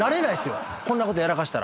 こんなことやらかしたら。